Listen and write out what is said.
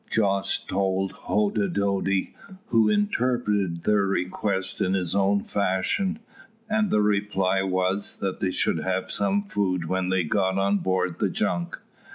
Jos told Hoddidoddi, who interpreted their request in his own fashion, and the reply was, that they should have some food when they got on board the junk.